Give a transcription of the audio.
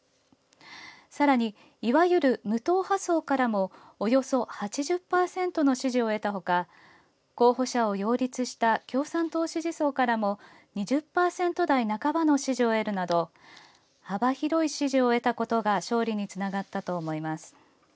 さらにいわゆる無党派層からもおよそ８０％の支持を得たほか候補者を擁立した共産党支持層からも２０％台半ばの支持を得るなど幅広い支持を得たことが勝利につながったと思います。